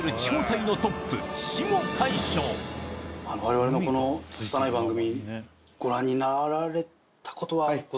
我々のこの拙い番組。